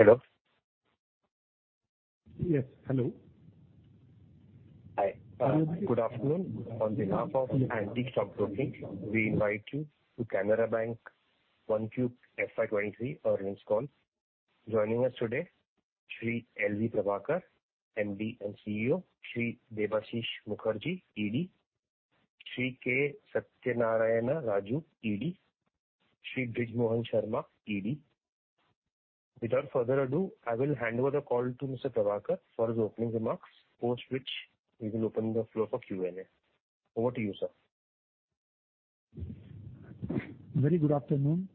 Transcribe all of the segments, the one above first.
Hi. Good afternoon. On behalf of Antique Stock Broking, we invite you to Canara Bank Q1 FY 2023 earnings call. Joining us today, Shri LV Prabhakar, MD and CEO, Shri Debashish Mukherjee, ED, Shri K Satyanarayana Raju, ED, Shri Brij Mohan Sharma, ED. Without further ado, I will hand over the call to Mr. Prabhakar for his opening remarks, after which we will open the floor for Q&A. Over to you, sir. Very good afternoon,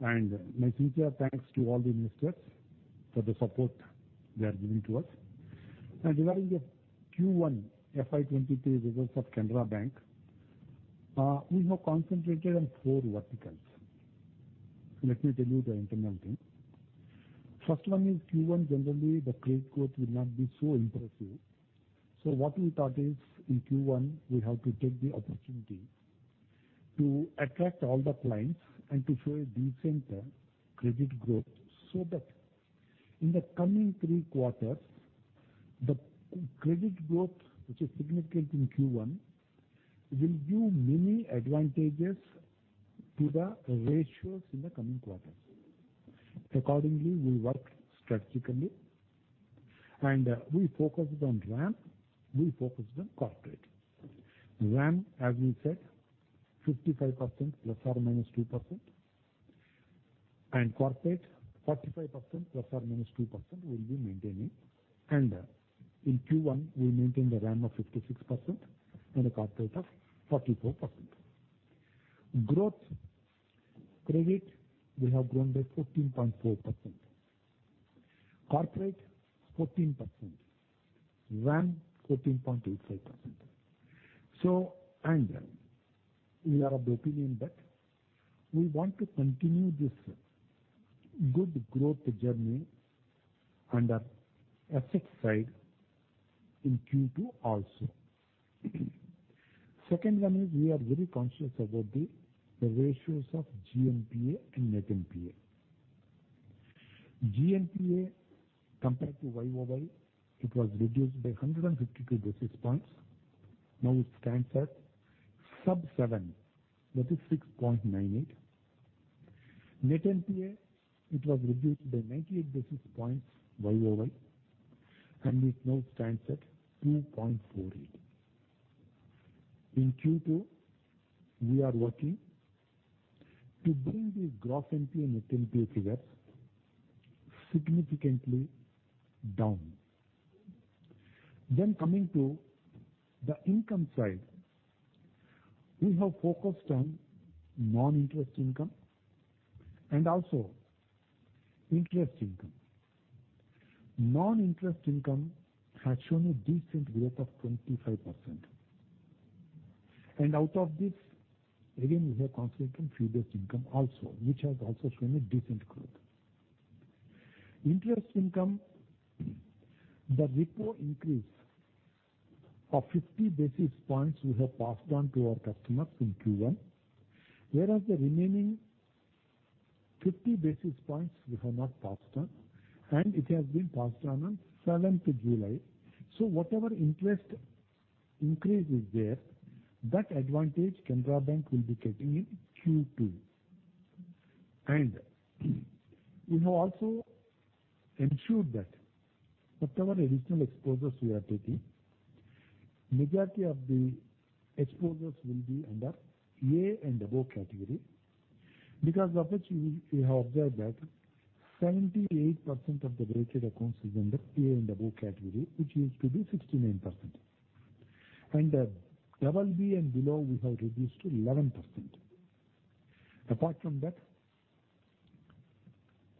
and my sincere thanks to all the investors for the support they are giving to us. Regarding the Q1 FY 2023 results of Canara Bank, we have concentrated on four verticals. Let me tell you the internal thing. First one is Q1, generally, the credit growth will not be so impressive. What we thought is in Q1, we have to take the opportunity to attract all the clients and to show a decent credit growth so that in the coming three quarters, the credit growth, which is significant in Q1, will give many advantages to the ratios in the coming quarters. Accordingly, we work strategically and we focus on RAM, we focus on Corporate. RAM, as we said, 55% ± 2%, and Corporate 45% ± 2% we'll be maintaining. In Q1, we maintain the RAM of 56% and a Corporate of 44%. Growth credit will have grown by 14.4%. Corporate, 14%. RAM, 14.85%. We are of the opinion that we want to continue this good growth journey under asset side in Q2 also. Second one is we are very conscious about the ratios of GNPA and net NPA. GNPA compared to YoY, it was reduced by 152 basis points. Now it stands at sub-seven. That is 6.98%. Net NPA, it was reduced by 98 basis points YOY, and it now stands at 2.48%. In Q2, we are working to bring the gross NPA, net NPA figures significantly down. Coming to the income side, we have focused on non-interest income and also interest income. Non-interest income has shown a decent growth of 25%. Out of this, again, we have concentrated on fee-based income also, which has also shown a decent growth. Interest income, the repo increase of 50 basis points we have passed on to our customers in Q1, whereas the remaining 50 basis points we have not passed on, and it has been passed on on 7th July. Whatever interest increase is there, that advantage Canara Bank will be getting in Q2. We have also ensured that whatever additional exposures we are taking, majority of the exposures will be under A and above category. Because of which we have observed that 78% of the weighted accounts is under A and above category, which used to be 69%. BB and below we have reduced to 11%. Apart from that,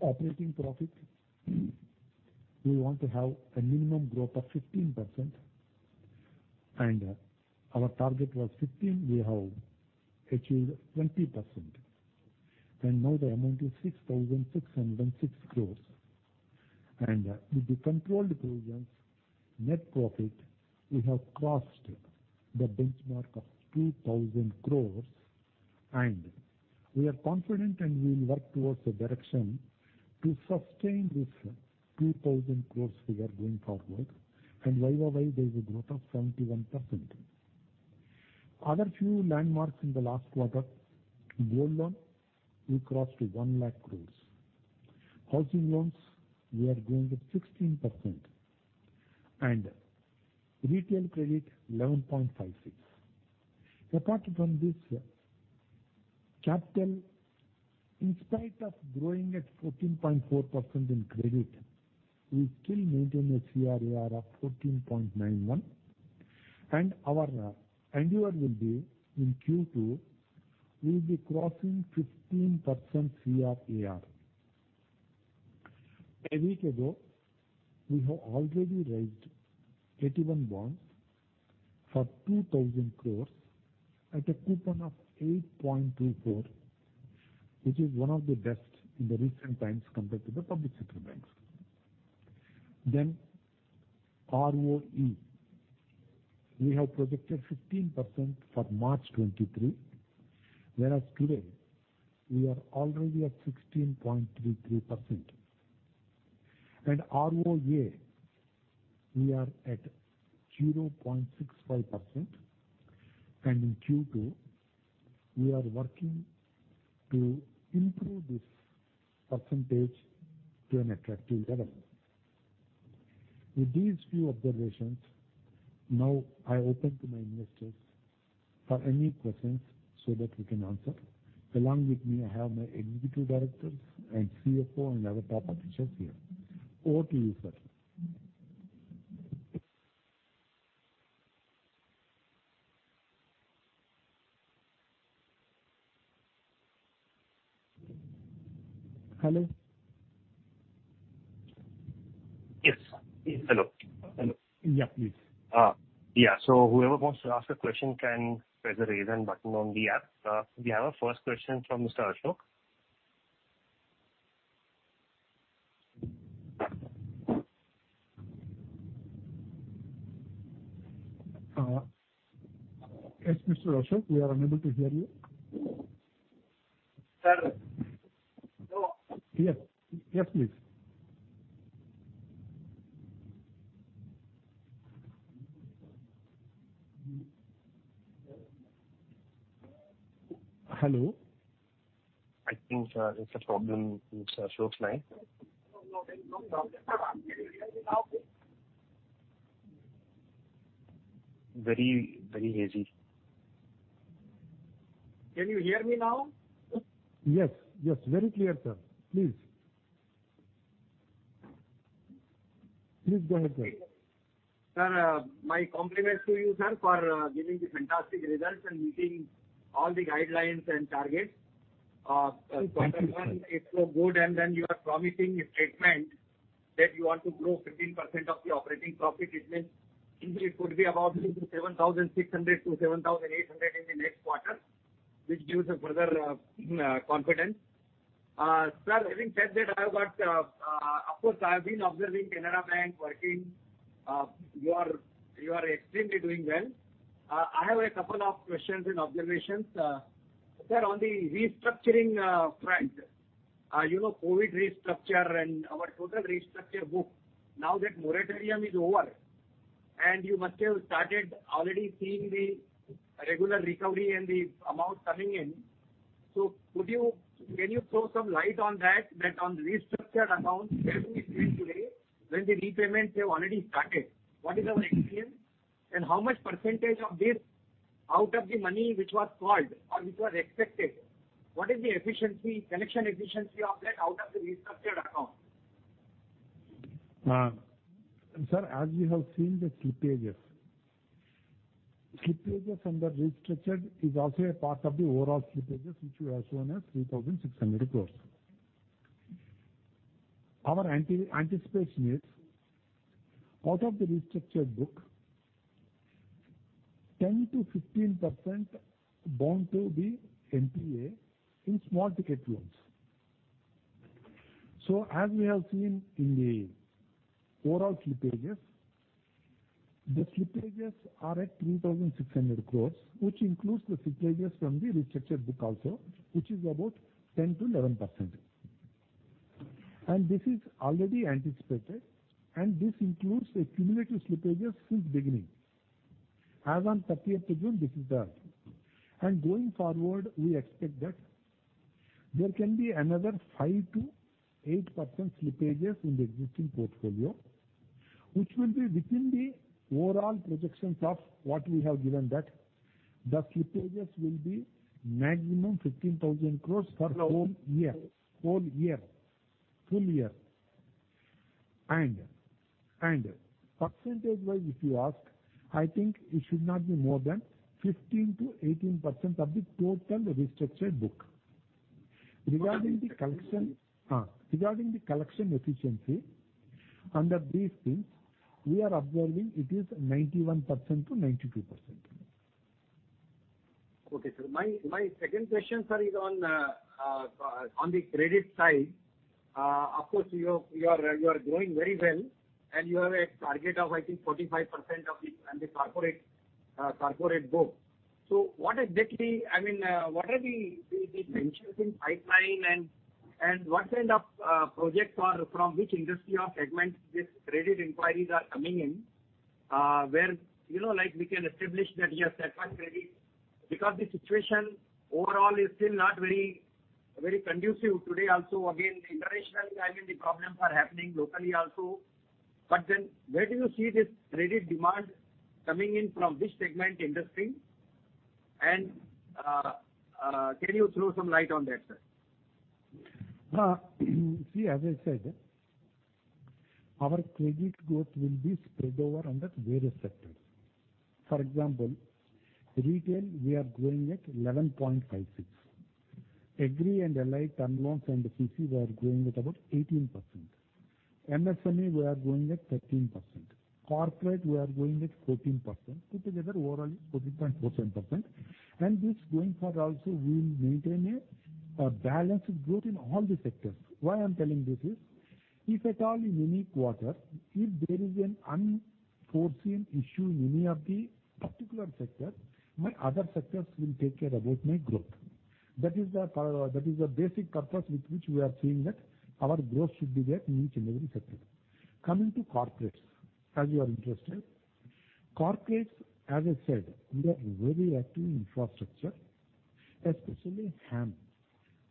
operating profit, we want to have a minimum growth of 15%. Our target was 15%, we have achieved 20%. Now the amount is 6,606 crores. With the controlled provisions, net profit, we have crossed the benchmark of 2,000 crores, and we are confident and we will work towards the direction to sustain this 2,000 crores figure going forward. YoY, there is a growth of 71%. Other few landmarks in the last quarter, gold loan, we crossed 1 lakh crores. Housing loans, we are growing at 16%. Retail credit, 11.56%. Apart from this, capital, in spite of growing at 14.4% in credit, we still maintain a CRAR of 14.91%. Our annual will be in Q2, we'll be crossing 15% CRAR. A week ago, we have already raised AT-1 bonds for 2,000 crore at a coupon of 8.24%, which is one of the best in the recent times compared to the public sector banks. ROE, we have projected 15% for March 2023, whereas today we are already at 16.33%. ROA, we are at 0.65%, and in Q2 we are working to improve this percentage to an attractive level. With these few observations, now I open to my investors for any questions so that we can answer. Along with me, I have my Executive Directors and CFO and other top officials here. Over to you, sir. Yeah. Whoever wants to ask a question can press the raise hand button on the app. We have our first question from Mr. Ashok. Yes, Mr. Ashok, we are unable to hear you. I think it's a problem with Ashok's line. Very, very hazy. Can you hear me now? Yes, very clear, sir. Please go ahead, sir. Sir, my compliments to you, sir, for giving the fantastic results and meeting all the guidelines and targets. Quarter one is so good, and then you are promising a statement that you want to grow 15% of the operating profit. It means it could be about 7,600-7,800 in the next quarter, which gives us further confidence. Sir, having said that, I have got. Of course, I have been observing Canara Bank working. You are extremely doing well. I have a couple of questions and observations. Sir, on the restructuring front, you know, COVID restructure and our total restructure book, now that moratorium is over, and you must have started already seeing the regular recovery and the amount coming in. Could you throw some light on that on restructured accounts, where do we stand today when the repayments have already started? What is our experience, and how much percentage of this out of the money which was called or which was expected, what is the efficiency, collection efficiency of that out of the restructured account? Sir, as you have seen the slippages from the restructured is also a part of the overall slippages, which you have shown as 3,600 crores. Our anticipation is out of the restructured book, 10%-15% bound to be NPA in small ticket loans. As we have seen in the overall slippages, the slippages are at 3,600 crores, which includes the slippages from the restructured book also, which is about 10%-11%. This is already anticipated, and this includes a cumulative slippages since beginning. As on thirtieth of June, this is there. Going forward, we expect that there can be another 5%-8% slippages in the existing portfolio, which will be within the overall projections of what we have given that the slippages will be maximum 15,000 crore for the full year. Percentage wise if you ask, I think it should not be more than 15%-18% of the total restructured book. Regarding the collection efficiency, under these things we are observing it is 91%-92%. Okay, sir. My second question, sir, is on the credit side. Of course you are growing very well and you have a target of, I think, 45% on the corporate book. What exactly, I mean, what are the ventures in pipeline and what kind of projects are from which industry or segment this credit inquiries are coming in, where, you know, like we can establish that, yes, that one credit. Because the situation overall is still not very conducive today also again, the international, I mean, the problems are happening locally also. Where do you see this credit demand coming in, from which segment industry and can you throw some light on that, sir? See, as I said, our credit growth will be spread over under various sectors. For example, Retail we are growing at 11.56%. Agri and Allied Term Loans and the CC we are growing at about 18%. MSME we are growing at 13%. Corporate, we are growing at 14%. Put together overall is 14.47%. This going forward also we will maintain a balanced growth in all the sectors. Why I'm telling this is if at all in any quarter, if there is an unforeseen issue in any of the particular sector, my other sectors will take care about my growth. That is the basic purpose with which we are saying that our growth should be there in each and every sector. Coming to corporates, as you are interested. Corporates, as I said, we are very active in infrastructure, especially HAM,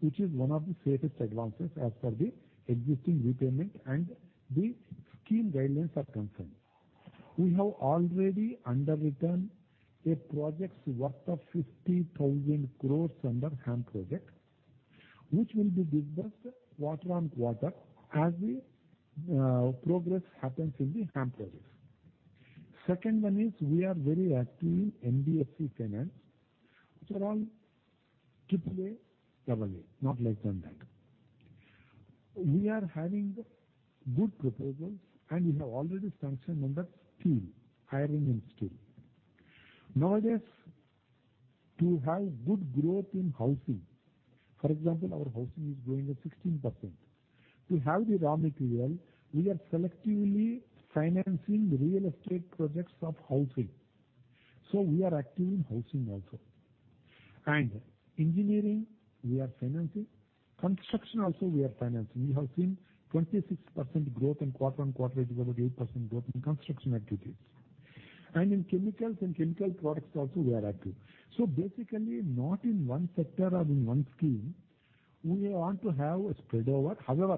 which is one of the fastest advances as far as the existing repayment and the scheme guidelines are concerned. We have already underwritten projects worth 50,000 crore under HAM project, which will be disbursed quarter on quarter as the progress happens in the HAM projects. Second one is we are very active in NBFC finance, which are all AAA and AA, not less than that. We are having good proposals, and we have already sanctioned funding in steel. Nowadays, to have good growth in housing, for example, our housing is growing at 16%. To have the raw material, we are selectively financing real estate projects of housing. We are active in housing also. Engineering we are financing. Construction also we are financing. We have seen 26% growth quarter-on-quarter, it is about 8% growth in construction activities. In chemicals and chemical products also we are active. Basically, not in one sector or in one scheme, we want to have a spread over. However,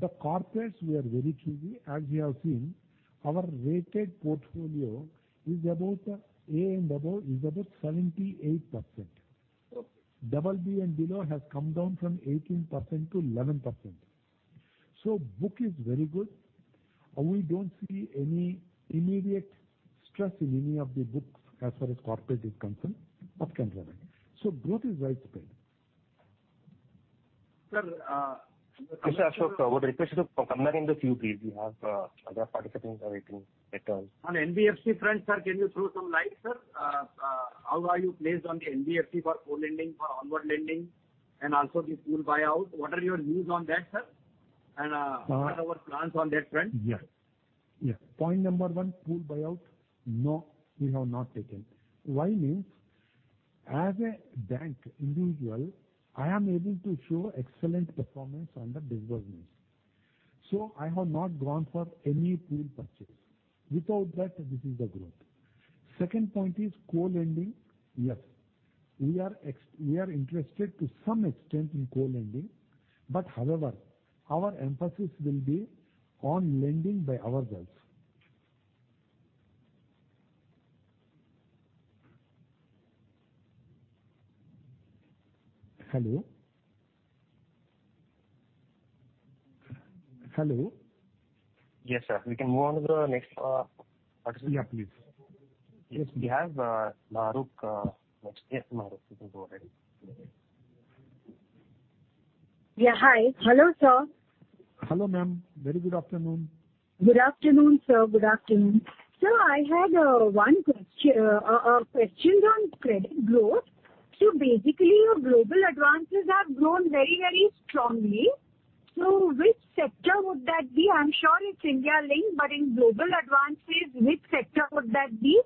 the corporates we are very choosy. As you have seen, our rated portfolio is about, A and above is about 78%. BB and below has come down from 18% to 11%. Book is very good. We don't see any immediate stress in any of the books as far as corporate is concerned of Canara Bank. Growth is widespread. Sir. Mr. Ashok, I would request you to come back in the Q&A. We have other participants are waiting for their turn. On NBFC front, sir, can you throw some light, sir? How are you placed on the NBFC for co-lending, for onward lending, and also the pool buyout? What are your views on that, sir? What are our plans on that front? Yes. Point number one, pool buyout. No, we have not taken. Why means, as a bank individual, I am able to show excellent performance on the disbursements. I have not gone for any pool purchase. Without that, this is the growth. Second point is co-lending. Yes, we are interested to some extent in co-lending, but however, our emphasis will be on lending by ourselves. Hello? Hello? Yes, sir. We can move on to the next participant. Yeah, please. Yes. We have Mahrukh next. Yes, Mahrukh, you can go ahead. Yeah. Hi. Hello, sir. Hello, ma'am. Very good afternoon. Good afternoon, sir. Good afternoon. Sir, I had one questions on credit growth. Basically your global advances have grown very, very strongly. Which sector would that be? I'm sure it's India linked, but in global advances, which sector would that be?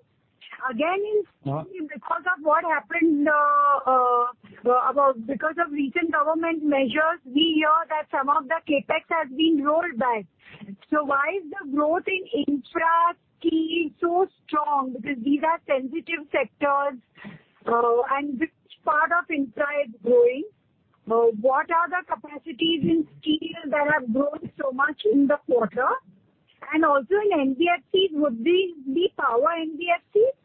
Again, in steel because of recent government measures, we hear that some of the CapEx has been rolled back. Why is the growth in infra scheme so strong? Because these are sensitive sectors, and which part of infra is growing? What are the capacities in steel that have grown so much in the quarter? Also in NBFCs, would they be power NBFCs?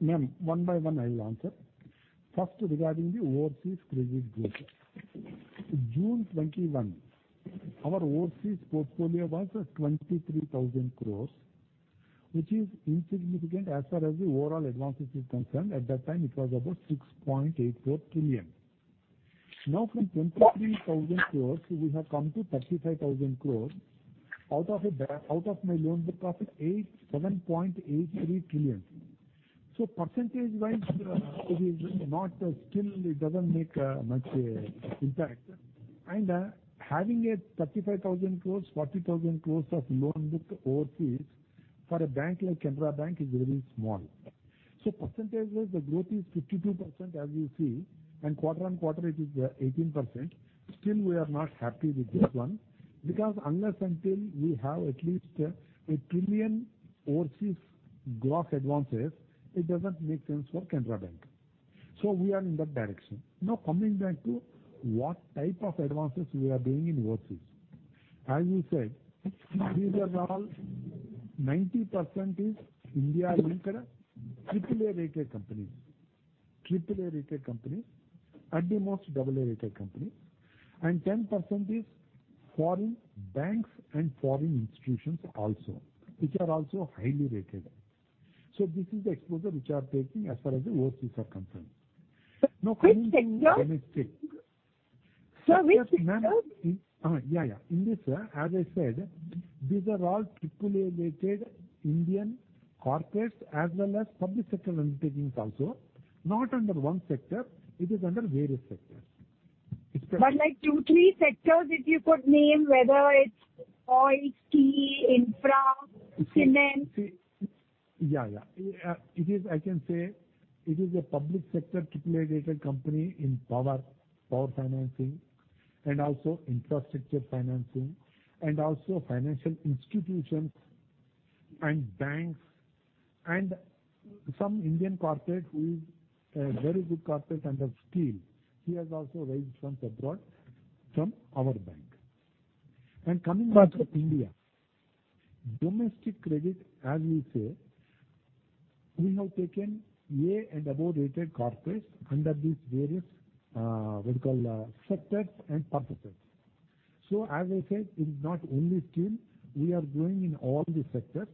Ma'am, one by one I will answer. First, regarding the overseas credit growth. June 2021, our overseas portfolio was 23,000 crore, which is insignificant as far as the overall advances is concerned. At that time it was about 6.84 trillion. Now from 23,000 crore, we have come to 35,000 crore out of my loan book of 7.83 trillion. Percentage wise, it is not still it doesn't make much impact. Having 35,000 crore, 40,000 crore of loan book overseas for a bank like Canara Bank is very small. Percentages, the growth is 52% as you see, and quarter-on-quarter it is 18%. Still we are not happy with this one because unless until we have at least 1 trillion overseas gross advances, it doesn't make sense for Canara Bank. We are in that direction. Now, coming back to what type of advances we are doing in overseas. As you said, these are all 90% India-linked, triple-A rated companies. AA rated companies, at the most AA rated company, and 10% is foreign banks and foreign institutions also, which are also highly rated. This is the exposure which are taking as far as the overseas are concerned. Which sectors? Let me check. Which sectors? In this, as I said, these are all AAA-rated Indian corporates as well as public sector undertakings also. Not under one sector, it is under various sectors. Like two, three sectors if you could name, whether it's oil, tea, infra, cement. See, yeah. It is, I can say it is a public sector AAA-rated company in power financing, and also infrastructure financing, and also financial institutions and banks. Some Indian corporate who is a very good corporate under steel, he has also raised funds abroad from our bank. Coming back to India, domestic credit, as we say, we have taken A and above rated corporates under these various, what you call, sectors and purposes. As I said, it is not only steel, we are growing in all the sectors.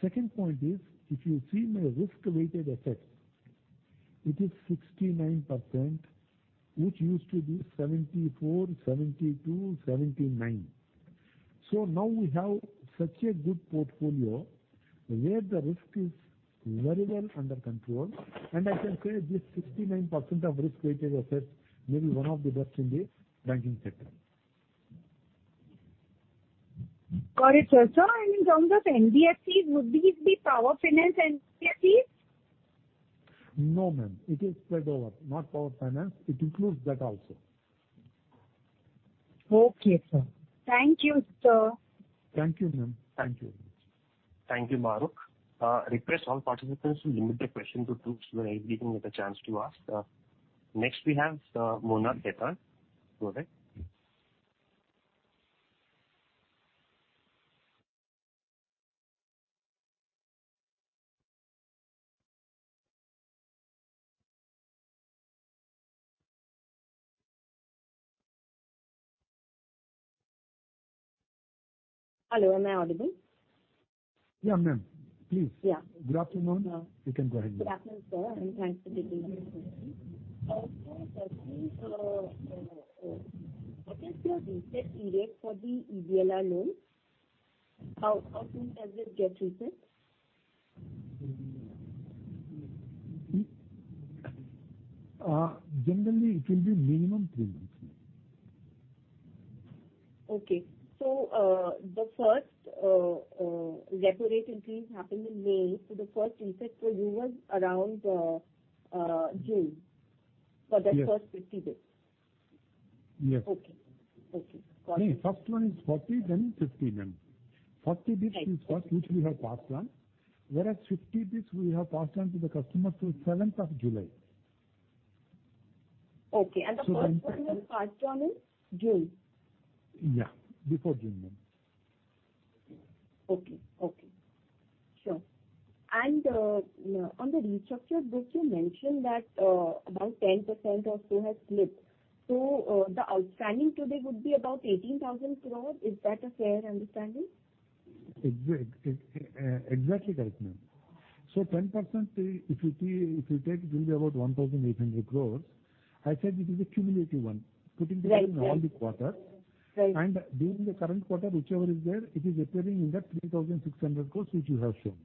Second point is, if you see my risk-weighted assets, it is 69%, which used to be 74%, 72%, 79%. Now we have such a good portfolio where the risk is very well under control, and I can say this 69% of risk-weighted assets may be one of the best in the banking sector. Got it, sir. Sir, in terms of NBFCs, would these be power finance NBFCs? No, ma'am. It is spread over. Not power finance. It includes that also. Okay, sir. Thank you, sir. Thank you, ma'am. Thank you. Thank you, Mahrukh. Request all participants to limit their question to two so everybody can get a chance to ask. Next we have, Mona Khetan. Go ahead. Hello, am I audible? Yeah, ma'am. Please. Good afternoon. You can go ahead, ma'am. Good afternoon, sir, and thanks for taking my question. Also, sir, please, what is your reset period for the EBLR loans? How soon does it get reset? Generally it will be minimum three months. The first repo rate increase happened in May, so the first impact for you was around June for that first 50 basis points. Yes. Okay. Got it. No, first one is 40 basis points, then 50 basis points. 40 basis points is first which we have passed on, whereas 50 basis points we have passed on to the customer through 7th of July. Okay. The first one was passed on in June? Yeah, before June, ma'am. Okay. Sure. On the restructure, which you mentioned that, about 10% or so has slipped. The outstanding today would be about 18,000 crore. Is that a fair understanding? Exactly correct, ma'am. 10%, if you see, if you take, it will be about 1,800 crores. I said it is a cumulative one. Right. Right. Putting together all the quarters. Right. During the current quarter, whichever is there, it is appearing in that 3,600 crores which you have shown.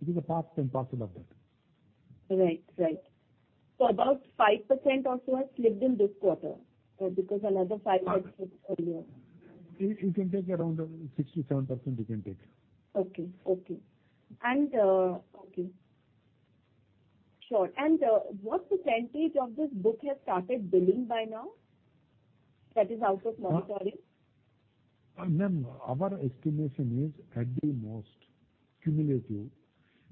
It is a part and parcel of that. Right. About 5% also has slipped in this quarter, because another 5% had slipped earlier. You can take around 6%-7%. What percentage of this book has started billing by now, that is, out of moratorium? Ma'am, our estimation is at the most cumulative,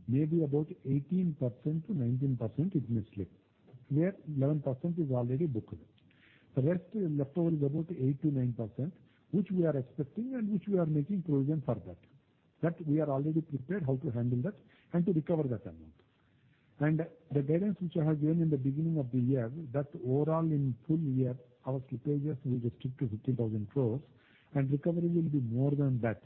maybe about 18%-19% it may slip, where 11% is already booked. The rest left over is about 8%-9%, which we are expecting and which we are making provision for that. That we are already prepared how to handle that and to recover that amount. The guidance which I have given in the beginning of the year, that overall in full year our slippages will stick to 15,000 crores and recovery will be more than that.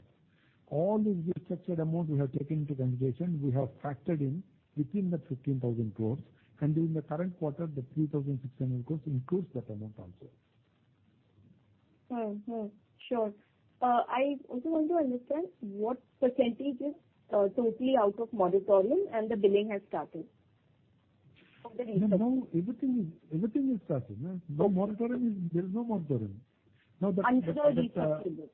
All these restructured amount we have taken into consideration, we have factored in within that 15,000 crores and during the current quarter the 3,600 crores includes that amount also. Sure. I also want to understand what percentage is totally out of monitoring and the billing has started for the restructure. Ma'am, now everything is started, ma'am. No moratorium is -- there is no moratorium. Under the restructured loan?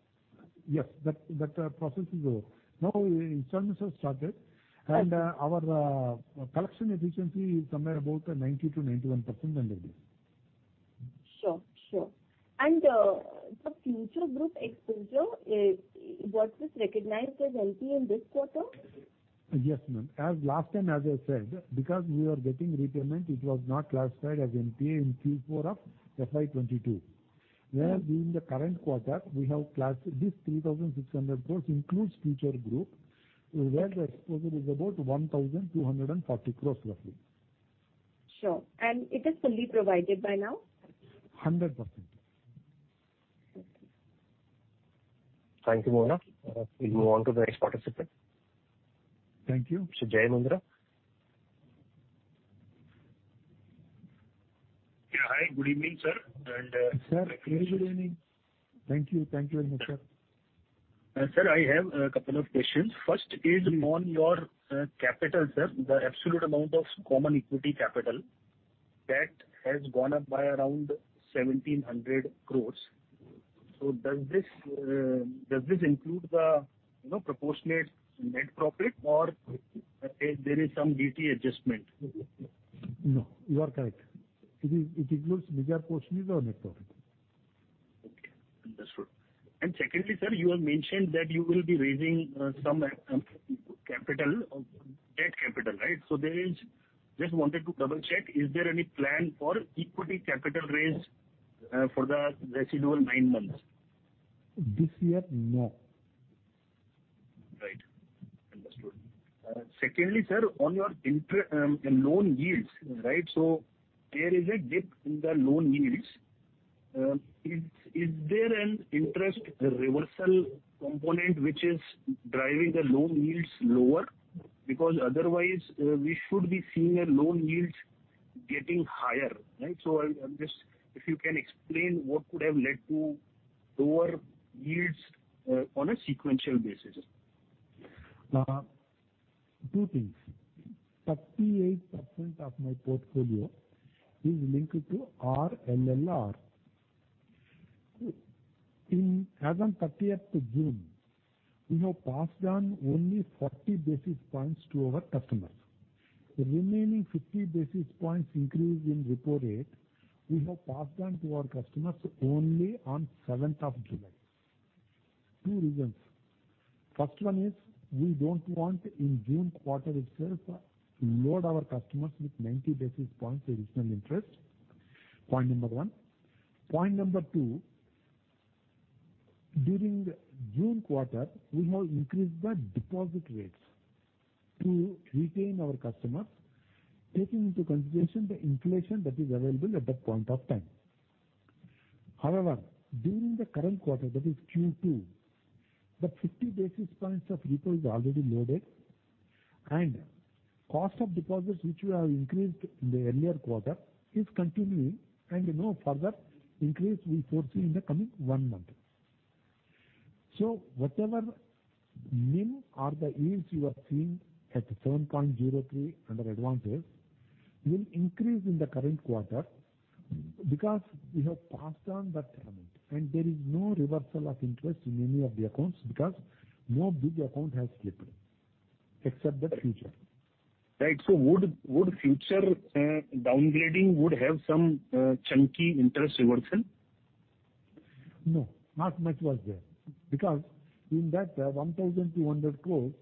Yes. That process is over. Now installments have started and our collection efficiency is somewhere about 90%-91% under this. Sure. The Future Group exposure was this recognized as NPA in this quarter? Yes, ma'am. As last time, as I said, because we were getting repayment, it was not classified as NPA in Q4 of FY 2022. Whereas during the current quarter, we have. This 3,600 crore includes Future Group, where the exposure is about 1,240 crore roughly. Sure. It is fully provided by now? 100%. Thank you, Mona. We'll move on to the next participant. Thank you. Mr. Jay Mundra. Yeah. Hi, good evening, sir. Sir, good evening. Thank you. Thank you very much, sir. Sir, I have a couple of questions. First is on your capital, sir. The absolute amount of common equity capital that has gone up by around 1,700 crore. Does this include the, you know, proportionate net profit or there is some DT adjustment? No, you are correct. It includes major portion, is our net profit. Okay. Understood. Secondly, sir, you have mentioned that you will be raising some capital, debt capital, right? Just wanted to double check, is there any plan for equity capital raise for the residual nine months? This year? No. Right. Understood. Secondly, sir, on your loan yields, right? There is a dip in the loan yields. Is there an interest reversal component which is driving the loan yields lower? Because otherwise, we should be seeing a loan yields getting higher, right? If you can explain what could have led to lower yields on a sequential basis. Two things. 38% of my portfolio is linked to RLLR. As on 30th June, we have passed down only 40 basis points to our customers. The remaining 50 basis points increase in repo rate we have passed down to our customers only on 7th of July. Two reasons. First one is we don't want in June quarter itself to load our customers with 90 basis points additional interest. Point number one. Point number two, during June quarter, we have increased the deposit rates to retain our customers, taking into consideration the inflation that is available at that point of time. However, during the current quarter, that is Q2, the 50 basis points of repo is already loaded and cost of deposits which we have increased in the earlier quarter is continuing and no further increase we foresee in the coming one month. Whatever NIM or the yields you are seeing at 7.03% under advances will increase in the current quarter because we have passed on that amount and there is no reversal of interest in any of the accounts because no big account has slipped except the Future Group. Right. Would Future downgrading would have some chunky interest reversal? No, not much was there because in that, 1,200 crores,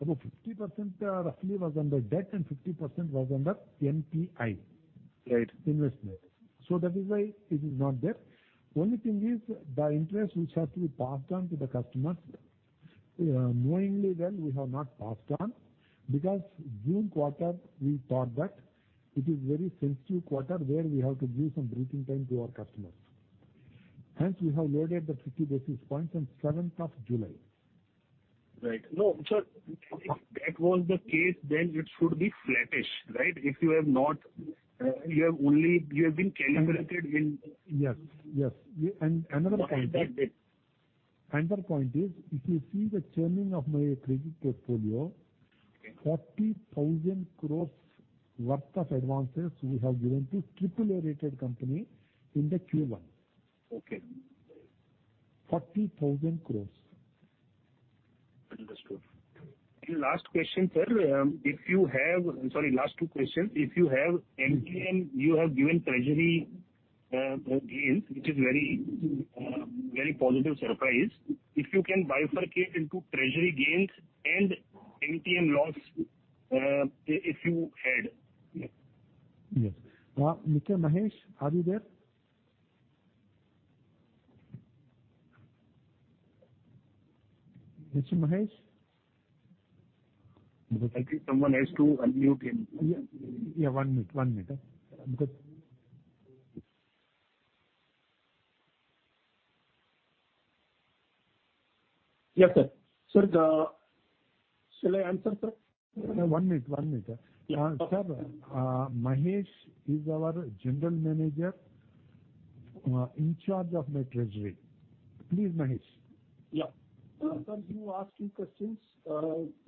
about 50% roughly was under debt and 50% was under NPI Investment. That is why it is not there. Only thing is the interest which has to be passed on to the customers, knowingly well we have not passed on because June quarter we thought that it is very sensitive quarter where we have to give some breathing time to our customers. Hence, we have loaded the 50 basis points on 7th of July. Right. No, sir, if that was the case, then it should be flattish, right? If you have not, you have only been calibrated in. Yes, yes. Another point is if you see the churning of my credit portfolio. Okay. 40,000 crore worth of advances we have given to triple-A rated company in the Q1. 40,000 crore. Understood. Last question, sir. I'm sorry, last two questions. If you have MTM, you have given treasury gains, which is very positive surprise. If you can bifurcate into treasury gains and MTM loss, if you had. Yes. Mr. Mahesh, are you there? Mr. Mahesh? I think someone has to unmute him. Yeah, one minute. Yes, sir. Sir, shall I answer, sir? One minute. Sir, Mahesh is our General Manager in charge of my treasury. Please, Mahesh. Sir, you asked two questions.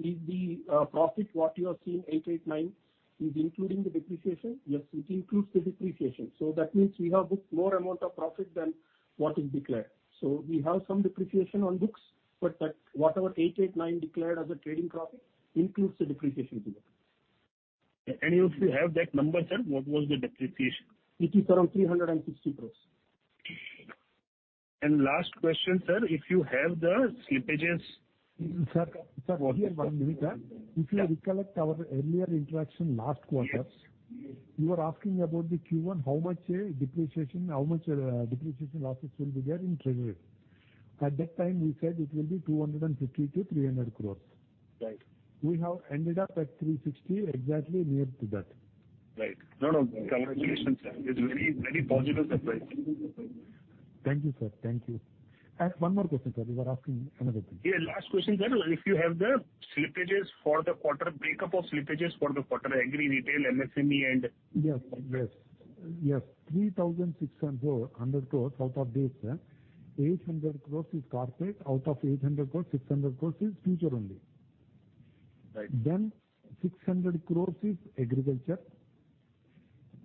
Is the profit what you have seen, 889 crore, including the depreciation? Yes, it includes the depreciation. That means we have booked more amount of profit than what is declared. We have some depreciation on books, but whatever 889 crore declared as a trading profit includes the depreciation booking. If you have that number, sir, what was the depreciation? It is around 360 crores. Last question, sir. If you have the slippages. Sir, here one minute. If you recollect our earlier interaction last quarter. You were asking about the Q1, how much depreciation, how much depreciation losses will be there in treasury. At that time we said it will be 250 crore-300 crore. Right. We have ended up at 360 crores, exactly near to that. Right. No, no. Congratulations, sir. It's very, very positive surprise. Thank you, sir. Thank you. One more question, sir. We were asking another thing. Yeah, last question, sir. If you have the slippages for the quarter, breakup of slippages for the quarter Agri, Retail, MSME, and Yes. 3600 crores out of this, 800 crores is corporate. Out of 800 crores, 600 crores is Future only. Right. 600 crores is agriculture,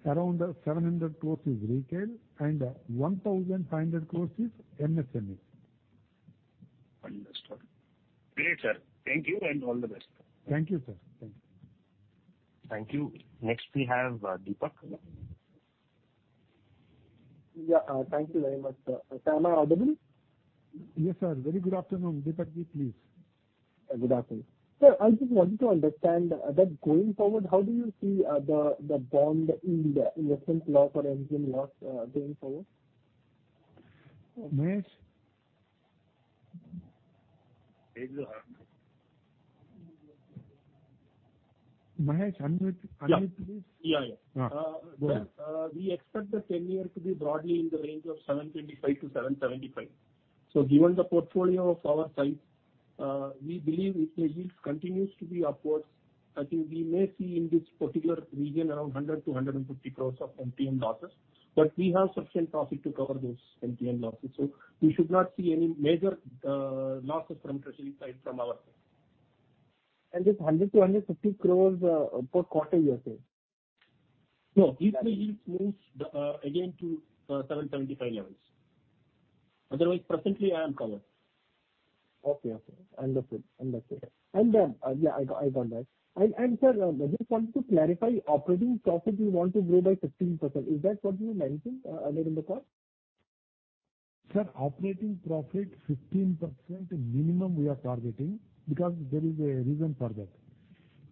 around 700 crores is retail, and 1,500 crores is MSME. Understood. Great, sir. Thank you and all the best. Thank you, sir. Thank you. Thank you. Next, we have, Deepak. Yeah. Thank you very much, sir. Sir, am I audible? Yes, sir. Very good afternoon. Deepak, please. Good afternoon. Sir, I just wanted to understand that going forward, how do you see the bond yield investment loss or MTM loss going forward? Mahesh? Mahesh, Unmute, please. Yeah. Yeah, yeah. Yeah. Go ahead. We expect the 10-year to be broadly in the range of 7.25%-7.75%. Given the portfolio of our size, we believe if the yield continues to be upwards, I think we may see in this particular region around 100 crore-150 crore of MTM losses. We have sufficient profit to cover those MTM losses, so we should not see any major losses from treasury side from our side. This 100-150 crores per quarter you're saying? No, if the yields moves again to 7.75% levels. Otherwise, presently I am covered. Okay. Understood. I got that. Sir, I just want to clarify, operating profit you want to grow by 15%. Is that what you mentioned earlier in the call? Sir, operating profit 15% minimum we are targeting because there is a reason for that.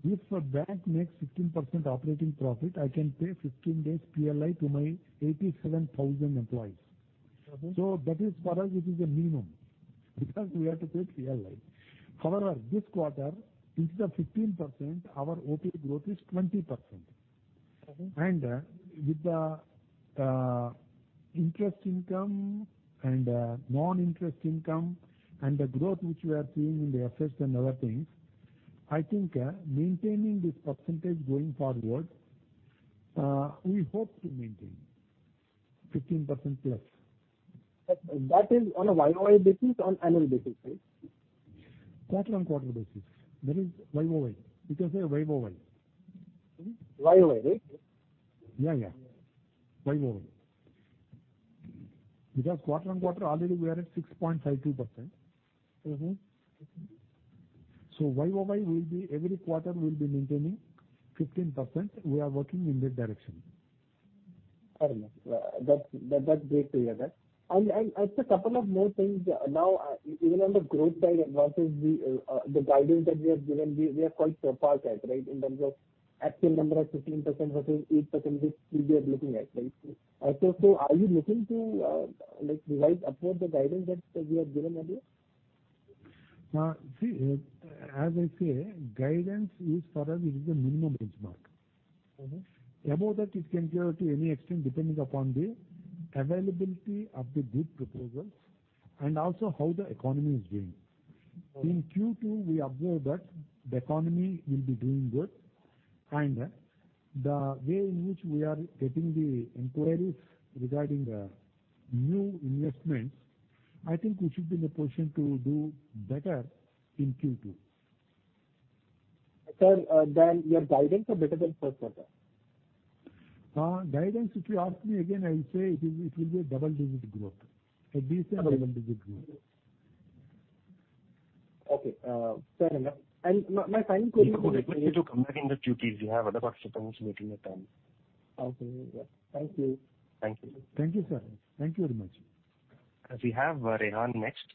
If a bank makes 15% operating profit, I can pay 15 days PLI to my 87,000 employees, that is for us it is a minimum because we have to pay PLI. However, this quarter instead of 15% our OP growth is 20%. With the interest income and non-interest income and the growth which we are seeing in the assets and other things, I think maintaining this percentage going forward, we hope to maintain 15%+. That is on a YoY basis, on annual basis, right? Quarter-on-quarter basis. That is YoY. You can say YoY. Y0Y, right? Yeah, yeah. YoY. Because quarter-on-quarter already we are at 6.52%. YoY will be every quarter we'll be maintaining 15%. We are working in that direction. Fair enough. That's great to hear that. Sir, couple of more things. Now, even on the growth side versus the guidance that we have given, we are quite surpassed, right? In terms of actual number of 15% versus 8% which we are looking at, right? Are you looking to revise upward the guidance that we have given earlier? See, as I say, guidance is for us, it is a minimum benchmark. Above that it can go to any extreme depending upon the availability of the good proposals and also how the economy is doing. In Q2 we observe that the economy will be doing good, and the way in which we are getting the inquiries regarding the new investments, I think we should be in a position to do better in Q2. Sir, your guidance for better than first quarter? Guidance if you ask me again, I will say it is, it will be a double-digit growth. At least a double-digit growth. Okay. Fair enough. My final question is. Deepak, I request you to come back in the Q&A. We have other participants waiting their turn. Okay. Thank you. Thank you. Thank you, sir. Thank you very much. We have Rehan next.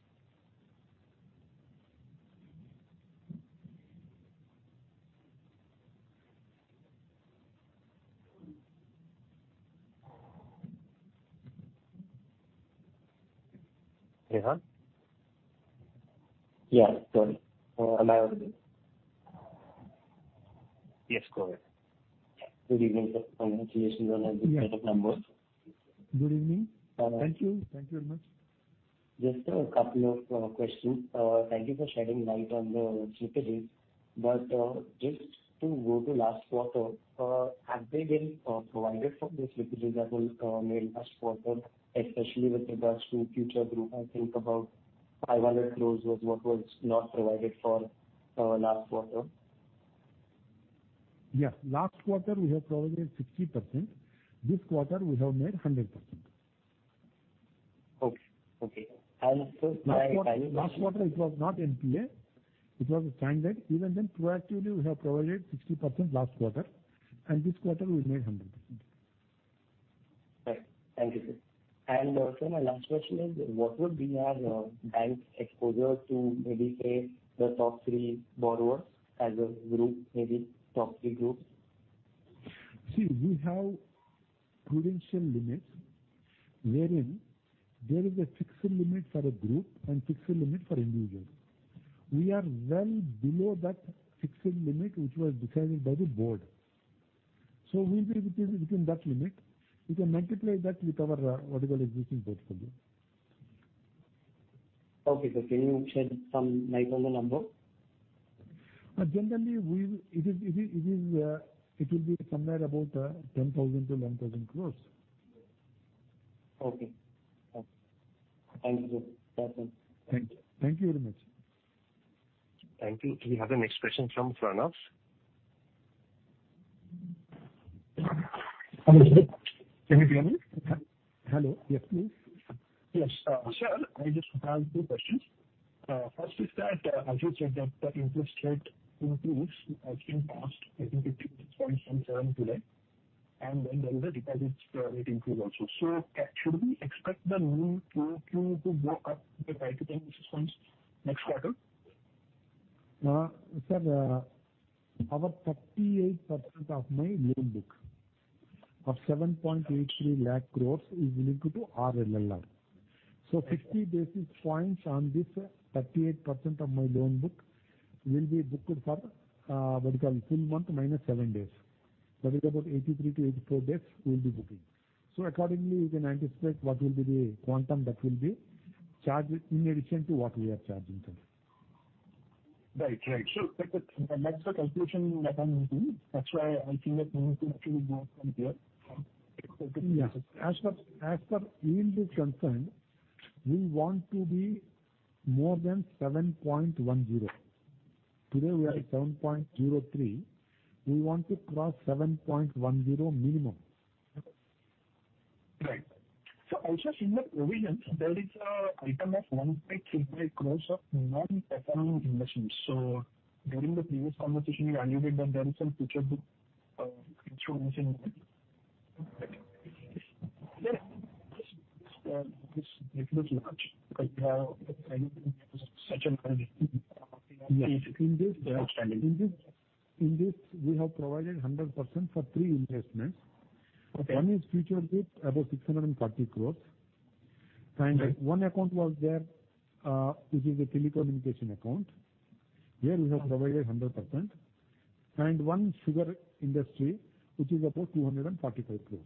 Rehan? Yeah. Sorry. Am I audible? Yes, go ahead. Good evening, sir. Congratulations on a good set of numbers. Good evening. Thank you. Thank you very much. Just a couple of questions. Thank you for shedding light on the slippages. Just to go to last quarter, have they been provided for the slippages that was made last quarter, especially with regards to Future Group? I think about 500 crores was what was not provided for last quarter. Yes. Last quarter we have provided 60%. This quarter we have made 100%. Okay. My final question. Last quarter it was not NPA, it was a standard. Even then proactively we have provided 60% last quarter, and this quarter we made 100%. Right. Thank you, sir. Sir, my last question is what would be our bank exposure to maybe say the top three borrowers as a group, maybe top three groups? See, we have prudential limits, wherein there is a fixed limit for a group and fixed limit for individual. We are well below that fixed limit, which was decided by the board. We'll be between that limit. You can multiply that with our, what you call, existing book for you. Okay. Can you shed some light on the number? It will be somewhere about 10,000 crore-11,000 crore. Okay. Thank you, sir. Thank you. Thank you very much. Thank you. We have the next question from Pranav. Can you hear me? Hello. Yes, please. Yes. Sir, I just have two questions. First is that, as you said that the interest rate increase has been passed from 7 July, and then there is a deposit rate increase also. Should we expect the new Q2 to go up by 10 basis points next quarter? Sir, our 38% of my loan book of 7.83 lakh crores is linked to RLLR. 50 basis points on this 38% of my loan book will be booked for, what you call, full month minus seven days. That is about 83-84 days we'll be booking. Accordingly, you can anticipate what will be the quantum that will be charged in addition to what we are charging today. Right. That's the calculation that I'm doing. That's why I think that we need to actually go from here. Yeah. As far as yield is concerned, we want to be more than 7.10%. Today we are at 7.03%. We want to cross 7.10% minimum. Right. Also in the provisions, there is an item of 1535 crore of non-performing investments. During the previous conversation, you alluded that there is some future book, future investing. Is this a little large because such a large. Yes. In this we have provided 100% for three investments. One is Future Group, about INR 630 crore. One account was there, which is a telecommunication account. Here we have provided 100%. One sugar industry, which is about 245 crore.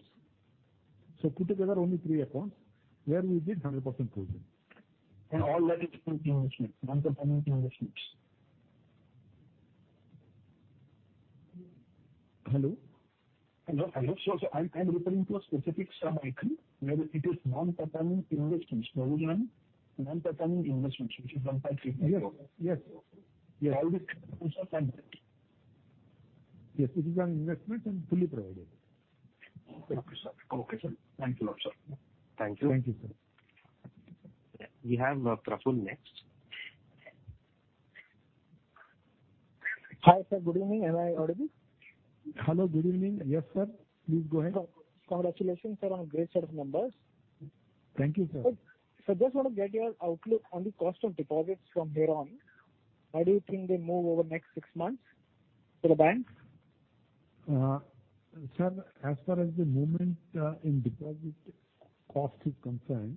Put together only three accounts where we did 100% provision. All that is from investments, non-performing investments. Hello? I'm referring to a specific sub-item where it is non-performing investments. Provision non-performing investments, which is INR 1335 crores. Yes. Yes. How is Yes, it is an investment and fully provided. Okay, sir. Okay, sir. Thank you a lot, sir. Thank you. Thank you, sir. We have Praful next. Hi, sir. Good evening. Am I audible? Hello, good evening. Yes, sir, please go ahead. Congratulations, sir, on a great set of numbers. Thank you, sir. Sir, just want to get your outlook on the cost of deposits from here on. How do you think they move over the next six months for the banks? Sir, as far as the movement in deposit cost is concerned,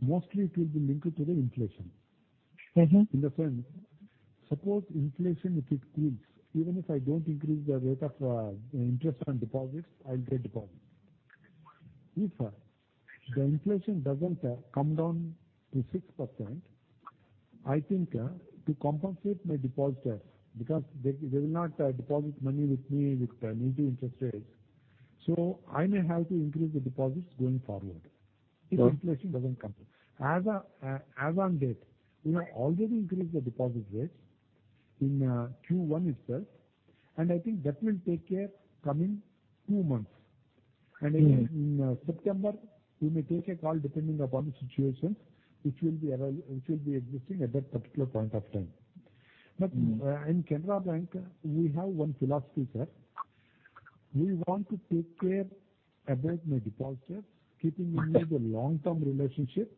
mostly it will be linked to the inflation. In the sense, suppose inflation if it cools, even if I don't increase the rate of interest on deposits, I'll get deposits. If the inflation doesn't come down to 6%, I think to compensate my depositors, because they will not deposit money with me with new interest rates, so I may have to increase the deposits going forward. If inflation doesn't come down. As on date, we have already increased the deposit rates in Q1 itself, and I think that will take care coming two months. In September, we may take a call depending upon the situation which will be existing at that particular point of time. In Canara Bank, we have one philosophy, sir. We want to take care about my depositors, keeping with me the long-term relationship.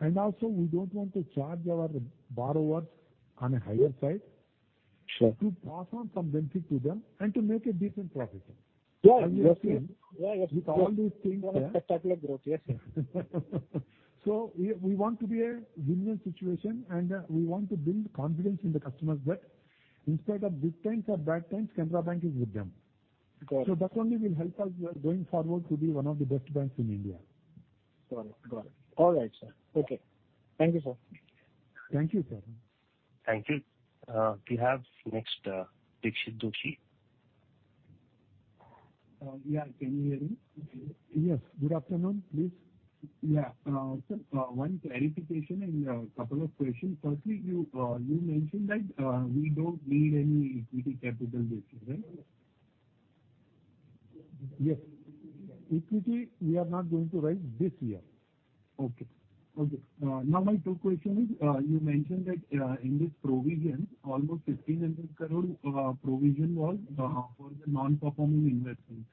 We don't want to charge our borrowers on a higher side to pass on some benefit to them and to make a decent profit. Yeah. Yes, sir. What a spectacular growth. Yes, sir. We want to be a win-win situation, and we want to build confidence in the customers that instead of good times or bad times, Canara Bank is with them. That only will help us, going forward, to be one of the best banks in India. Got it. All right, sir. Okay. Thank you, sir. Thank you, sir. Thank you. We have next, Dixit Doshi. Yeah. Can you hear me? Yes. Good afternoon. Please. Yeah. Sir, one clarification and a couple of questions. Firstly, you mentioned that we don't need any equity capital this year, right? Yes. Equity, we are not going to raise this year. Now my second question is, you mentioned that in this provision, almost 1,500 crore provision was for the non-performing investments.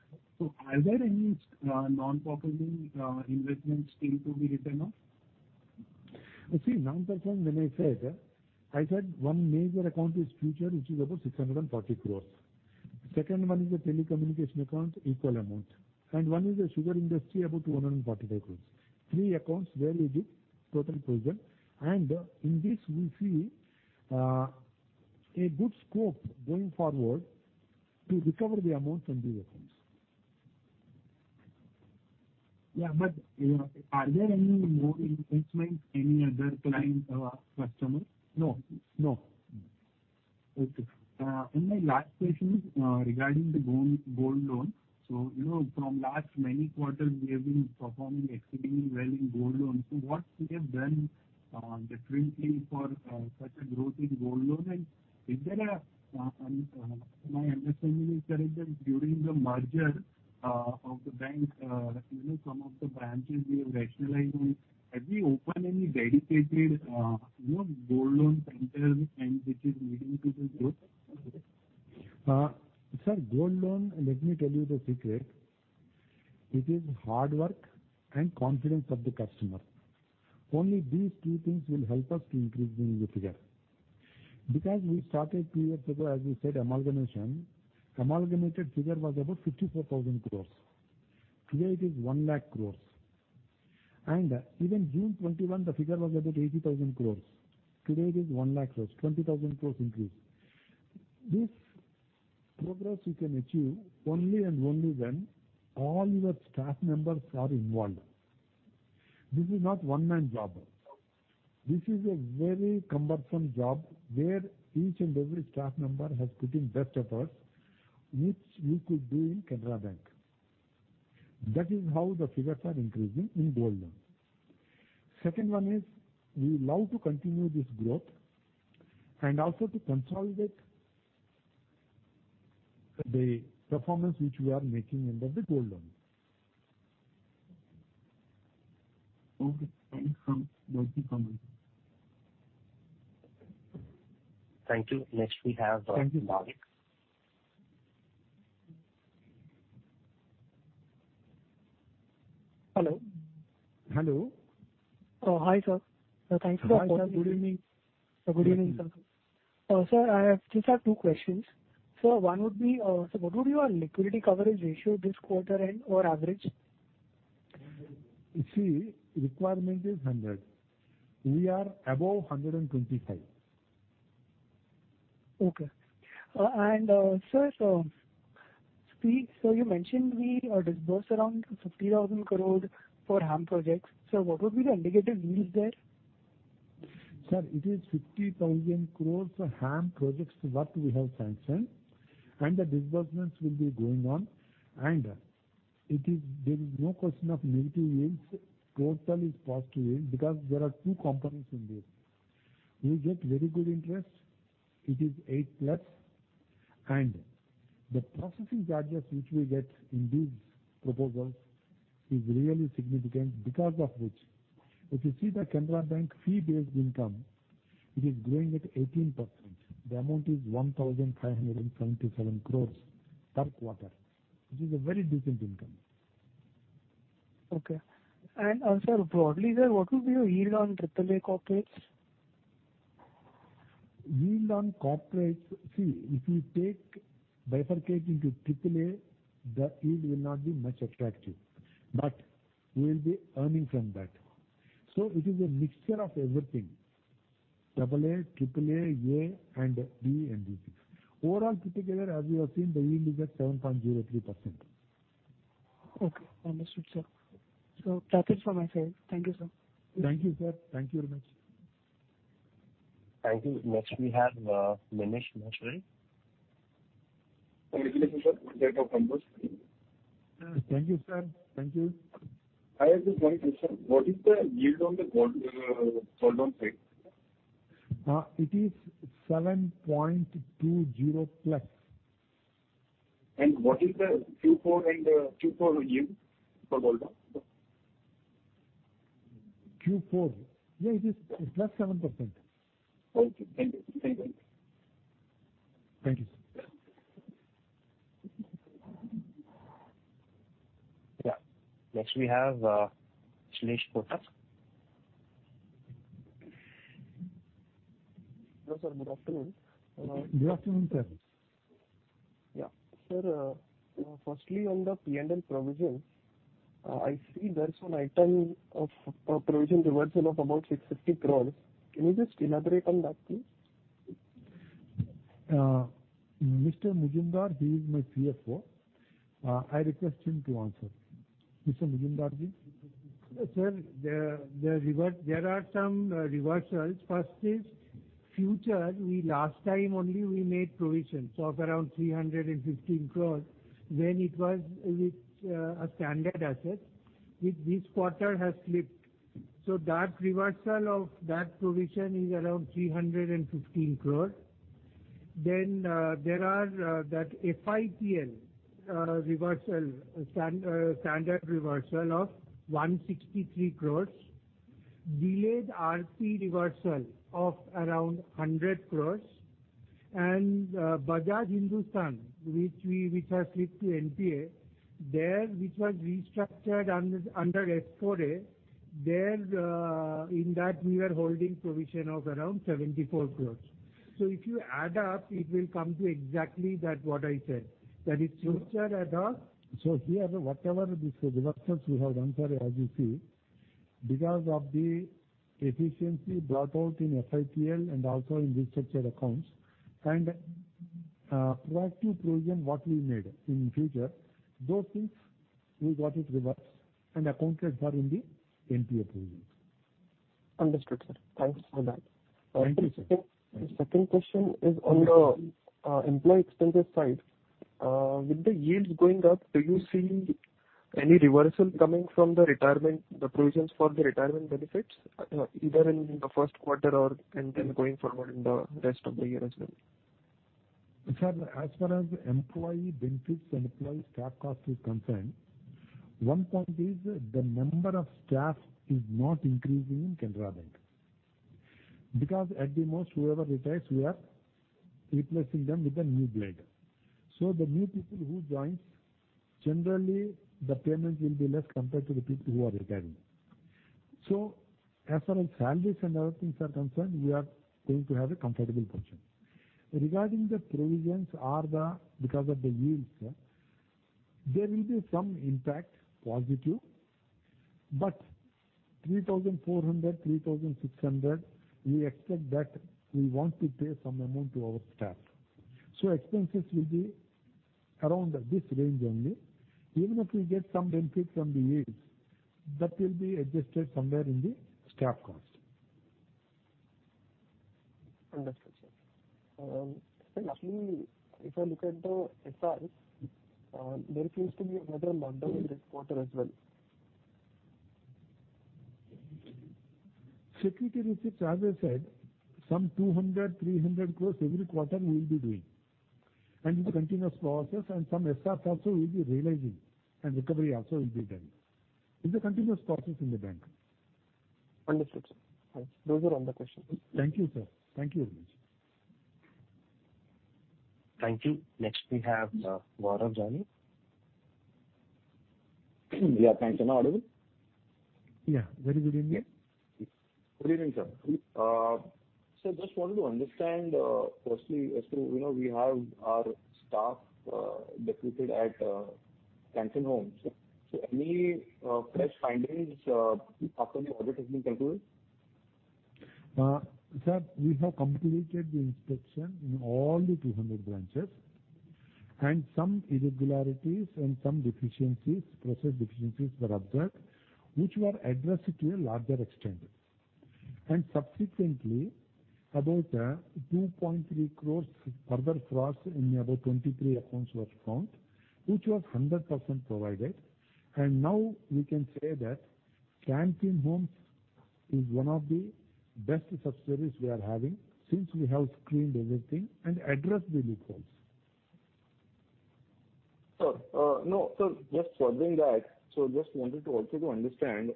Are there any non-performing investments still to be written off? You see, 9% when I said, I said one major account is Future Group, which is about 640 crores. Second one is a telecommunication account, equal amount, and one is a sugar industry, about 245 crores. Three accounts very big, total provision, and in this we see a good scope going forward to recover the amount from these accounts. Yeah, you know, are there any more installments, any other client or customer? No. No. Okay. My last question is regarding the gold loan. You know, from last many quarters we have been performing extremely well in gold loans. What we have done differently for such a growth in gold loan? Is there a, if my understanding is correct that during the merger of the bank, you know, some of the branches we have rationalized. Have we opened any dedicated, you know, gold loan centers and which is leading to this growth? Sir, gold loan, let me tell you the secret. It is hard work and confidence of the customer. Only these two things will help us to increase the figure. Because we started two years ago, as you said, amalgamation. Amalgamated figure was about 54,000 crore. Today it is 1 lakh crore. Even June 2021, the figure was about 80,000 crore. Today it is 1 lakh crore, 20,000 crore increase. This progress you can achieve only and only when all your staff members are involved. This is not one-man job. This is a very cumbersome job where each and every staff member has put in best efforts, which you could do in Canara Bank. That is how the figures are increasing in gold loan. Second one is we love to continue this growth and also to consolidate the performance which we are making under the gold loan. Okay. Thank you, sir. Welcome. Thank you. Next we have, Bhavik Shah. Hello. Hello. Oh, hi, sir. Thank you for. Hi, sir. Good evening. Good evening, sir. Sir, I just have two questions. Sir, one would be, what would be your liquidity coverage ratio this quarter and/or average? You see requirement is 100%. We are above 125%. Sir, you mentioned we disbursed around 50,000 crore for HAM projects. Sir, what would be the indicated yields there? Sir, it is 50,000 crore for HAM projects what we have sanctioned, and the disbursements will be going on, and there is no question of negative yields. Total is positive yield because there are two components in this. We get very good interest. It is 8%+, and the processing charges which we get in these proposals is really significant because of which, if you see the Canara Bank fee-based income, it is growing at 18%. The amount is 1,577 crore per quarter, which is a very decent income. Okay. Sir, broadly, sir, what will be your yield on AAA corporates? Yield on corporates. See, if you take bifurcating to AAA, the yield will not be much attractive, but we will be earning from that. It is a mixture of everything. AA, AAA, A/B and overall, particularly as you have seen, the yield is at 7.03%. Okay. Understood, sir. That's it from my side. Thank you, sir. Thank you, sir. Thank you very much. Thank you. Next we have, Manish Ostwal. Congratulations, sir. Thank you, sir. Thank you. I have just one question. What is the yield on the gold loan side? It is 7.20%+ What is the Q4 yield for gold loan, sir? Q4. Yeah, it is +7%. Okay. Thank you. Thank you. Thank you. Yes. Yeah. Next we have, Shailesh Kotak. Hello, sir. Good afternoon. Good afternoon, sir. Yeah. Sir, firstly on the P&L provision, I see there is an item of provision reversal of about 650 crore. Can you just elaborate on that, please? Mr. Majumdar, he is my CFO. I request him to answer. Mr. Majumdar, please. Sir, there are some reversals. First is Future Group. We last time only made provisions of around 315 crore when it was with a standard asset. This quarter has slipped. That reversal of that provision is around 315 crore. Then there are that FITL reversal, standard reversal of 163 crore. Delayed RP reversal of around 100 crore. Bajaj Hindusthan, which has slipped to NPA, which was restructured under S4A, in that we are holding provision of around 74 crore. If you add up, it will come to exactly what I said. Here, whatever these reductions we have done as what you see, because of the efficiency brought out in FITL and also in restructured accounts and proactive provision that we made in future, those things we got it reversed and accounted for in the NPA provisions. Understood, sir. Thanks for that. Thank you, sir. The second question is on the employee expenses side. With the yields going up, do you see any reversal coming from the retirement, the provisions for the retirement benefits, either in the first quarter or and then going forward in the rest of the year as well? Sir, as far as employee benefits and employee staff cost is concerned, one point is the number of staff is not increasing in Canara Bank, because at the most whoever retires we are replacing them with a new blood. The new people who joins, generally the payments will be less compared to the people who are retiring. As far as salaries and other things are concerned, we are going to have a comparable position. Regarding the provisions, because of the yields, there will be some impact, positive, but 3,400-3,600, we expect that we want to pay some amount to our staff. So expenses will be around this range only. Even if we get some benefit from the yields, that will be adjusted somewhere in the staff cost. Understood, sir. Lastly, if I look at the SR, there seems to be another lockdown in this quarter as well. Security receipts, as I said, some 200-300 crores every quarter we will be doing, and it's a continuous process and some SRs also we'll be realizing and recovery also will be done. It's a continuous process in the bank. Understood, sir. Those are all the questions. Thank you, sir. Thank you very much. Thank you. Next, we have Gaurav Jani. Yeah, thanks. Am I audible? Yeah. Very good evening. Good evening, sir. Just wanted to understand, firstly, as to, you know, we have our staff depleted at Can Fin Homes. Any fresh findings after the audit has been concluded? Sir, we have completed the inspection in all the 200 branches, and some irregularities and some deficiencies, process deficiencies were observed, which were addressed to a larger extent. Subsequently, about 2.3 crores further frauds in about 23 accounts were found, which was 100% provided. Now we can say that Can Fin Homes is one of the best subsidiaries we are having since we have screened everything and addressed the loopholes. Sir, no. Just wanted to also understand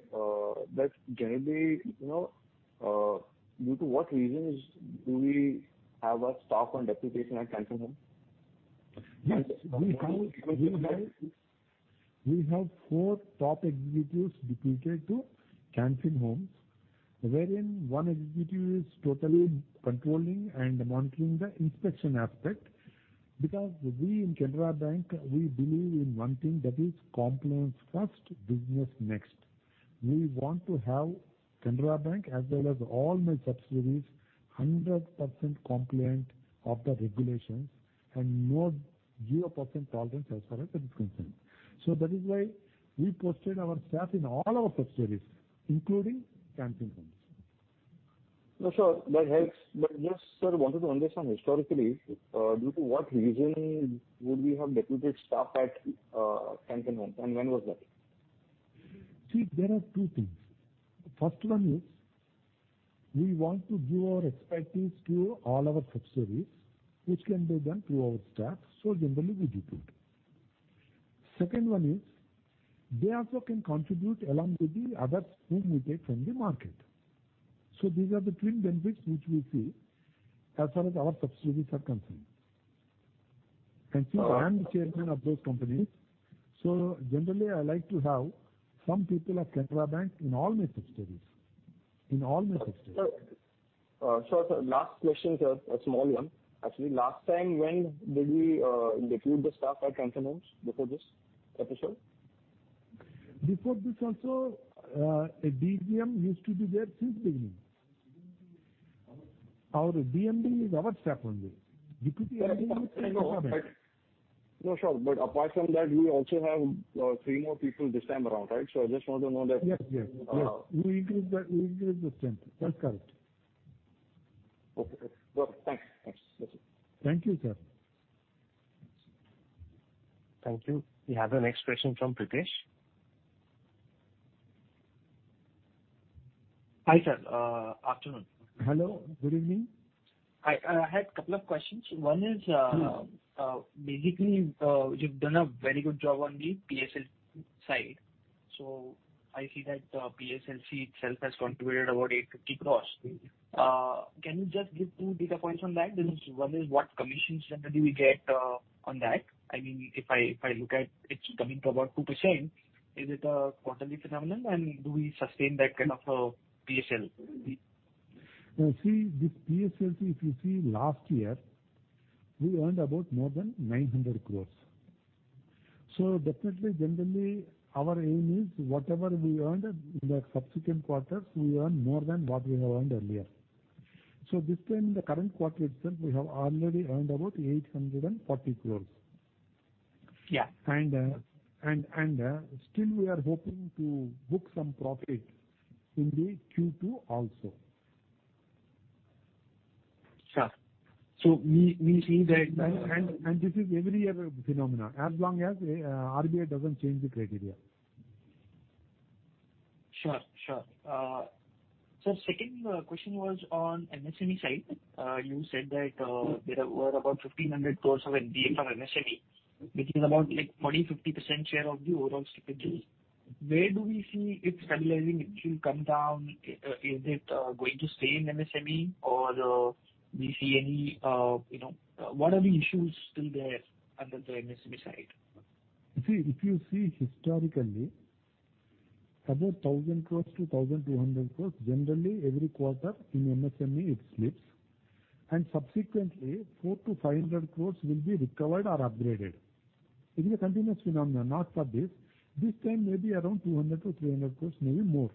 that generally, you know, due to what reasons do we have our staff on deputation at Can Fin Homes? Yes. We have four top executives deputed to Can Fin Homes, wherein one executive is totally controlling and monitoring the inspection aspect. Because we in Canara Bank, we believe in one thing, that is compliance first, business next. We want to have Canara Bank as well as all my subsidiaries 100% compliant with the regulations with 0% tolerance as far as that is concerned. That is why we posted our staff in all our subsidiaries, including Can Fin Homes. No, sure, that helps. Just, sir, wanted to understand historically, due to what reason would we have deputed staff at Can Fin Homes, and when was that? See, there are two things. First one is we want to give our expertise to all our subsidiaries, which can be done through our staff, so generally we depute. Second one is they also can contribute along with the others whom we take from the market. These are the twin benefits which we see as far as our subsidiaries are concerned. Since I am the chairman of those companies, so generally I like to have some people of Canara Bank in all my subsidiaries. Sir, sure, sir. Last question, sir, a small one. Actually, last time, when did we depute the staff at Can Fin Homes before this episode? Before this also, a DGM used to be there since beginning. Our DMD is our staff only. Deputed MD was in government. No, sure. Apart from that, we also have three more people this time around, right? I just want to know that. Yes, yes. We increased the strength. That's correct. Okay. Well, thanks. That's it. Thank you, sir. Thank you. We have our next question from Pritesh. Hi, sir. Afternoon. Hello, good evening. I had a couple of questions. One is, Mm-hmm. Basically, you've done a very good job on the PSL side. I see that PSLC itself has contributed about 850 crore. Can you just give two data points on that? One is what commissions generally we get on that. I mean, if I look at it's coming to about 2%, is it a quarterly phenomenon and do we sustain that kind of PSL? See this PSLC, if you see last year, we earned about more than 900 crore. Definitely, generally, our aim is whatever we earned in the subsequent quarters, we earn more than what we have earned earlier. This time, the current quarter itself, we have already earned about 840 crore. Still we are hoping to book some profit in the Q2 also. Sure. We see that. This is every year phenomenon, as long as RBI doesn't change the criteria. Sure, sure. Second question was on MSME side. You said that there were about 1,500 crores of NPA from MSME, which is about like 40%-50% share of the overall slippages. Where do we see it stabilizing? It will come down. Is it going to stay in MSME? What are the issues still there under the MSME side? If you see historically, 1,000 crore-1,200 crore, generally every quarter in MSME, it slips. Subsequently 400 crore-500 crore will be recovered or upgraded. It is a continuous phenomenon, not for this. This time maybe around 200 crore-300 crore, maybe more.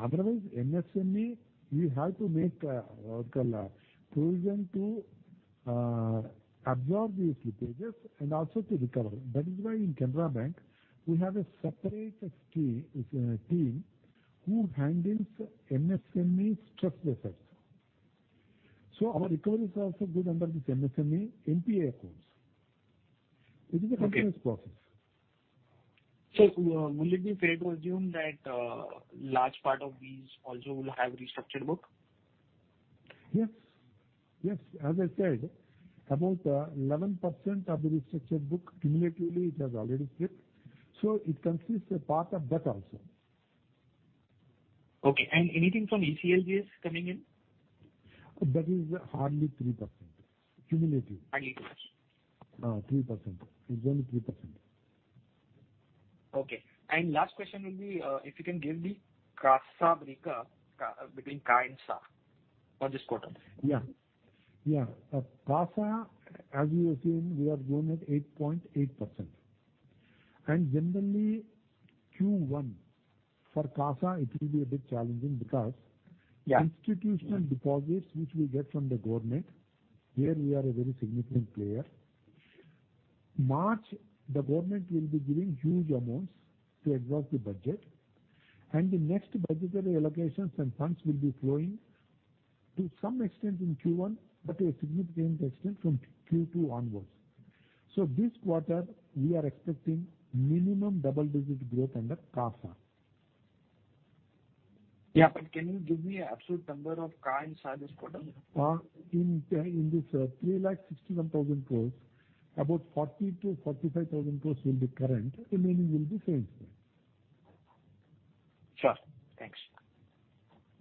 Otherwise, MSME, we have to make a, what you call a provision to absorb these slippages and also to recover. That is why in Canara Bank, we have a separate S-team who handles MSME stress assets. Our recoveries also go under this MSME NPA codes. This is a continuous process. Will it be fair to assume that large part of these also will have restructured book? Yes. As I said, about 11% of the restructured book cumulatively it has already slipped. It consists a part of that also. Okay. Anything from ECLGS coming in? That is hardly 3% cumulative. 3%?. 3%. It's only 3%. Okay. Last question will be, if you can give the CASA breakup between CA and SA for this quarter. CASA, as you have seen, we have grown at 8.8%. Generally Q1 for CASA it will be a bit challenging because institutional deposits which we get from the government, here we are a very significant player. In March, the government will be giving huge amounts to absorb the budget, and the next budgetary allocations and funds will be flowing to some extent in Q1, but a significant extent from Q2 onwards. This quarter we are expecting minimum double-digit growth under CASA. Yeah. Can you give me absolute number of CA and SA this quarter? In this 3,61,000 crores, about 40,000-45,000 crores will be current. The remaining will be same story. Sure. Thanks.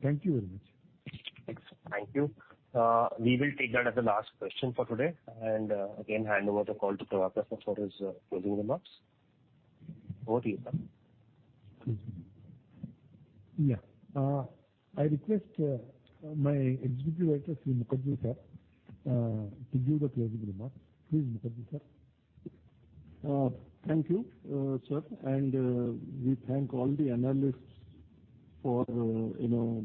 Thank you very much. Thanks. Thank you. We will take that as the last question for today, and, again, hand over the call to Prabhakar Sir for his, closing remarks. Over to you, sir. Yeah. I request my Executive Director, Sri Mukherjee Sir, to give the closing remarks. Please, Mukherjee Sir. Thank you, sir, and we thank all the analysts for you know,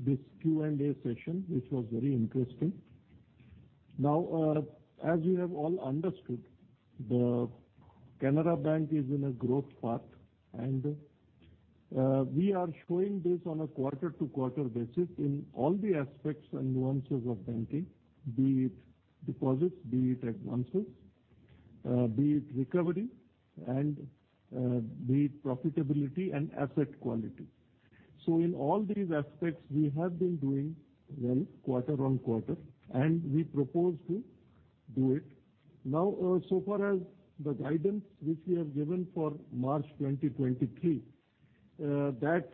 this Q&A session, which was very interesting. Now, as you have all understood, the Canara Bank is in a growth path and we are showing this on a quarter-to-quarter basis in all the aspects and nuances of banking. Be it deposits, be it advances, be it recovery and be it profitability and asset quality. In all these aspects, we have been doing well quarter-on-quarter, and we propose to do it. Now, so far as the guidance which we have given for March 2023, that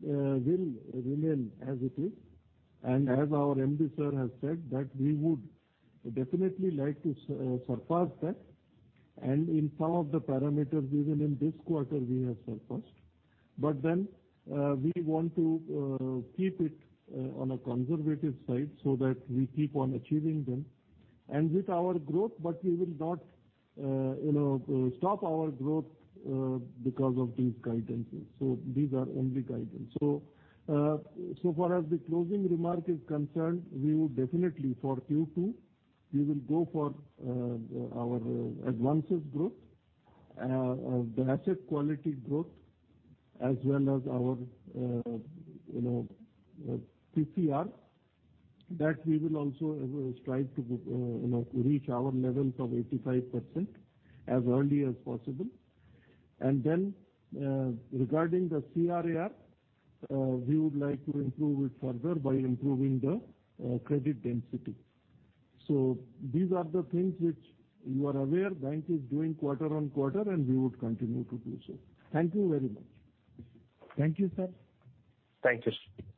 will remain as it is. As our MD sir has said that we would definitely like to surpass that. In some of the parameters, even in this quarter we have surpassed. We want to keep it on a conservative side so that we keep on achieving them. With our growth, we will not you know stop our growth because of these guidances. These are only guidance. So far as the closing remark is concerned, we would definitely for Q2, we will go for our advances growth, the asset quality growth as well as our you know PCR. That we will also strive to you know reach our levels of 85% as early as possible. Regarding the CRAR, we would like to improve it further by improving the credit density. These are the things which you are aware bank is doing quarter-on-quarter, and we would continue to do so. Thank you very much. Thank you, sir. Thank you.